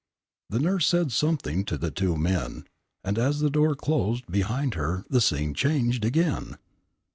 The nurse said something to the two men, and as the door closed behind her the scene changed again.